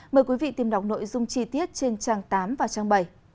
mời quý vị tìm đọc nội dung chi tiết trên trang tám và trang bảy